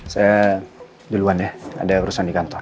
saya duluan ya ada urusan di kantor